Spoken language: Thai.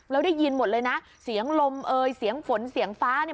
แล้วได้ยินหมดเลยนะเสียงลมเอ่ยเสียงฝนเสียงฟ้าเนี่ย